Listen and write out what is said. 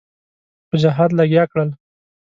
په جهاد لګیا کړل.